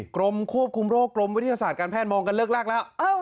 กรมควบคุมโรคกรมวิทยาศาสตร์การแพทย์มองกันเลิกลากแล้ว